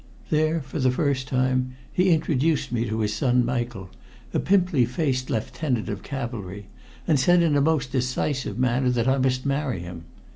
There, for the first time, he introduced me to his son Michael, a pimply faced lieutenant of cavalry, and said in a most decisive manner that I must marry him.